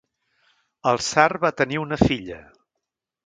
El tsar va tenir una filla.